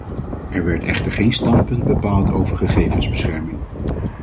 Er werd echter geen standpunt bepaald over gegevensbescherming.